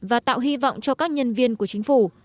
và tạo hy vọng cho các nhân viên của chính phủ